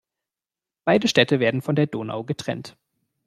Beide Städte werden von der Donau getrennt.